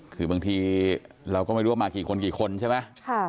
คือบางทีเราก็ไม่รู้ว่ามากี่คนกี่คนใช่ไหม